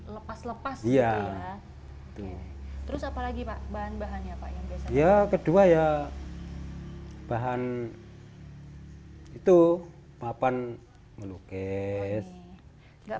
lepas lepas gitu ya terus apalagi pak bahan bahannya pak yang biasa ya kedua ya bahan itu papan melukis enggak